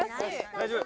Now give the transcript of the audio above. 大丈夫。